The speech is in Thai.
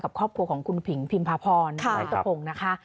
กับครอบครัวของคุณผิงพิมพาพรพี่ตะพงนะคะ